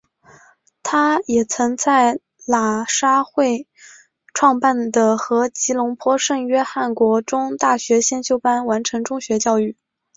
他也曾在喇沙会创办的和吉隆坡圣约翰国中大学先修班完成中学教育。